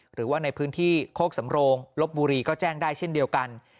หรือว่าในพื้นที่โคกสำโรงลบบุรีก็แจ้งได้เช่นเดียวกัน